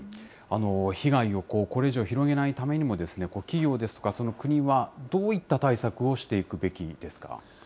被害をこれ以上広げないためにも、企業ですとか、国はどういった対策をしていくべきですか。